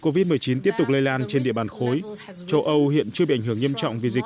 covid một mươi chín tiếp tục lây lan trên địa bàn khối châu âu hiện chưa bị ảnh hưởng nghiêm trọng vì dịch